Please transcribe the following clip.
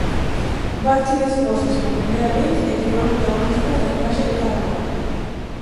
Vázquez expostas por primeira vez e que foron protagonistas da imaxe de cada ano.